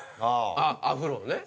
あっアフロのね。